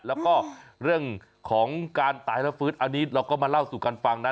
แล้วก็เรื่องของการตายแล้วฟื้นอันนี้เราก็มาเล่าสู่กันฟังนะ